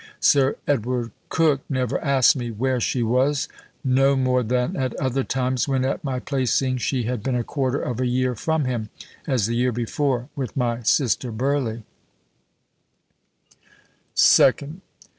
Sir Edward Coke _never asked me where she was, no more than at other times, when at my placing she had been a quarter of a year from him, as the year before with my sister Burley_. "Second.